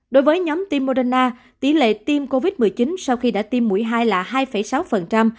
đối với nhóm timor tỷ lệ tiêm covid một mươi chín sau khi đã tiêm mũi hai là hai sáu